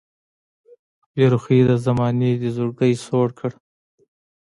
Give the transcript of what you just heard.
بې رخۍ د زمانې دې زړګی سوړ کړ